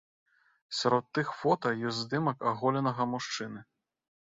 Сярод тых фота ёсць здымак аголенага мужчыны.